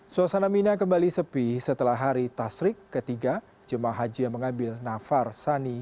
suasana mina kembali sepi setelah hari tasrik ketiga jemaah haji yang mengambil nafar sani